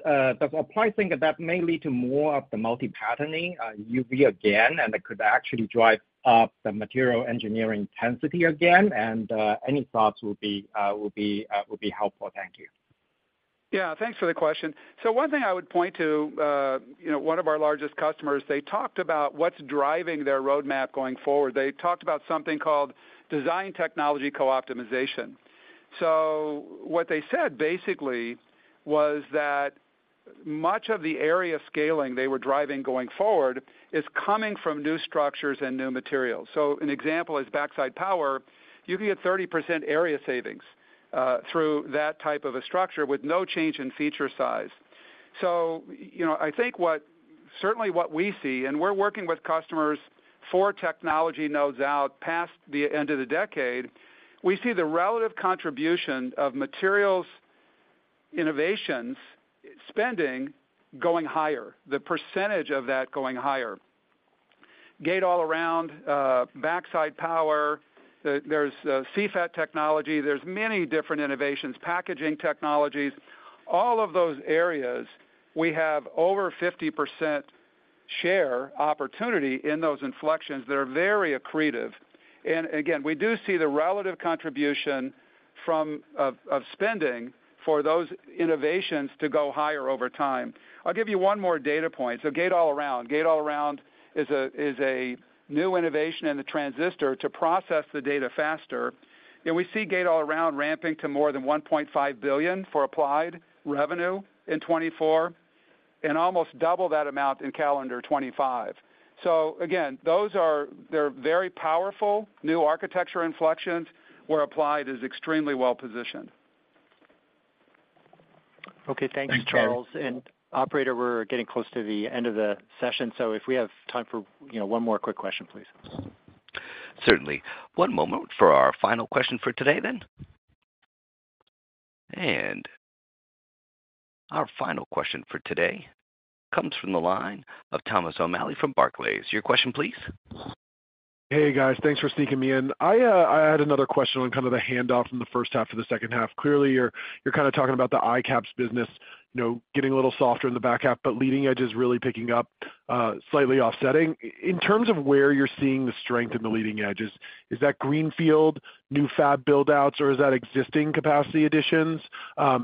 Applied think that that may lead to more of the multi-patterning EUV again? It could actually drive up the material engineering intensity again? Any thoughts would be helpful. Thank you. Yeah. Thanks for the question. So one thing I would point to, one of our largest customers, they talked about what's driving their roadmap going forward. They talked about something called Design Technology Co-Optimization. So what they said, basically, was that much of the area scaling they were driving going forward is coming from new structures and new materials. So an example is Backside Power. You can get 30% area savings through that type of a structure with no change in feature size. So I think certainly what we see, and we're working with customers for technology nodes out past the end of the decade, we see the relative contribution of materials innovations spending going higher, the percentage of that going higher. Gate-All-Around, Backside Power, there's CFET technology. There's many different innovations, packaging technologies. All of those areas, we have over 50% share opportunity in those inflections that are very accretive. And again, we do see the relative contribution of spending for those innovations to go higher over time. I'll give you one more data point. So Gate-All-Around. Gate-All-Around is a new innovation in the transistor to process the data faster. And we see Gate-All-Around ramping to more than $1.5 billion for Applied revenue in 2024 and almost double that amount in calendar 2025. So again, they're very powerful new architecture inflections where Applied is extremely well-positioned. Okay. Thanks, Charles. And operator, we're getting close to the end of the session. So if we have time for one more quick question, please. Certainly. One moment for our final question for today, then. Our final question for today comes from the line of Thomas O'Malley from Barclays. Your question, please. Hey, guys. Thanks for sneaking me in. I had another question on kind of the handoff in the first half to the second half. Clearly, you're kind of talking about the ICAPS business getting a little softer in the back half. But leading edge is really picking up, slightly offsetting. In terms of where you're seeing the strength in the leading edge, is that greenfield, new fab buildouts? Or is that existing capacity additions?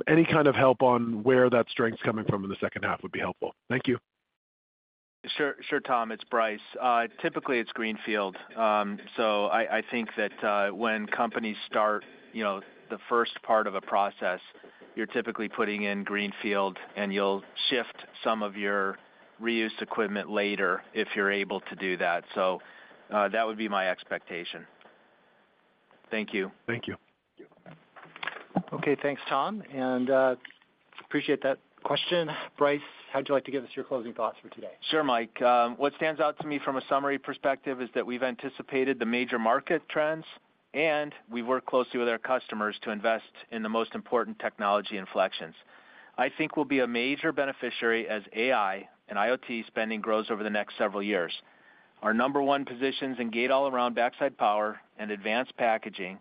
Any kind of help on where that strength's coming from in the second half would be helpful. Thank you. Sure, sure, Tom. It's Brice. Typically, it's greenfield. So I think that when companies start the first part of a process, you're typically putting in greenfield. And you'll shift some of your reuse equipment later if you're able to do that. So that would be my expectation. Thank you. Thank you. Okay. Thanks, Tom. And appreciate that question. Brice, how would you like to give us your closing thoughts for today? Sure, Mike. What stands out to me from a summary perspective is that we've anticipated the major market trends. We've worked closely with our customers to invest in the most important technology inflections. I think we'll be a major beneficiary as AI and IoT spending grows over the next several years. Our number one positions in Gate-All-Around, Backside Power, and advanced packaging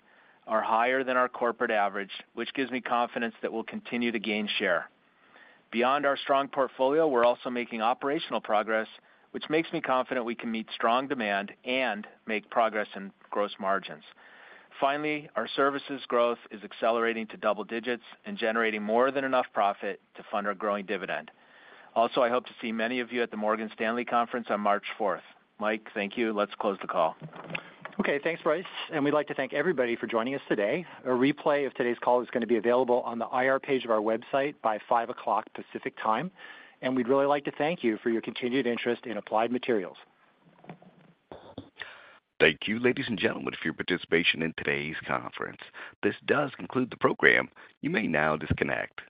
are higher than our corporate average, which gives me confidence that we'll continue to gain share. Beyond our strong portfolio, we're also making operational progress, which makes me confident we can meet strong demand and make progress in gross margins. Finally, our services growth is accelerating to double digits and generating more than enough profit to fund our growing dividend. Also, I hope to see many of you at the Morgan Stanley conference on March 4th. Mike, thank you. Let's close the call. Okay. Thanks, Brice. And we'd like to thank everybody for joining us today. A replay of today's call is going to be available on the IR page of our website by 5:00 P.M. Pacific Time. And we'd really like to thank you for your continued interest in Applied Materials. Thank you, ladies and gentlemen, for your participation in today's conference. This does conclude the program. You may now disconnect.